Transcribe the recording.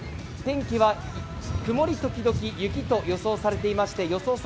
天気は曇り時々雪と予想されていまして予想